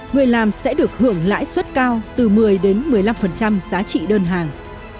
người làm sẽ được hưởng lãi suất cao từ một mươi đến một mươi năm giá trị đơn hàng